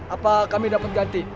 apa kami dapat ganti